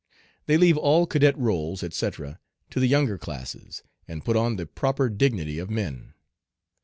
They leave all cadet rôles, etc., to the younger classes, and put on the proper dignity of men.